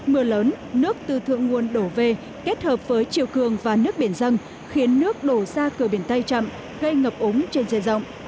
mưa lớn nước từ thượng nguồn đổ về kết hợp với chiều cường và nước biển dân khiến nước đổ ra cửa biển tây chậm gây ngập úng trên dây rộng